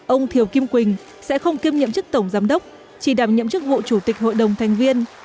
ông thiều kim quỳnh sẽ không kiêm nhiệm chức tổng giám đốc chỉ đảm nhiệm chức vụ chủ tịch hội đồng thành viên